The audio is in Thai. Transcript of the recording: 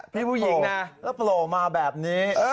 พี่ผู้หญิงโปร่งมาแบบนี้